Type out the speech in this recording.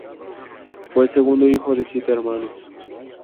Fue el segundo hijo de siete hermanos.